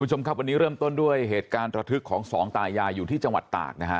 คุณผู้ชมครับวันนี้เริ่มต้นด้วยเหตุการณ์ระทึกของสองตายายอยู่ที่จังหวัดตากนะฮะ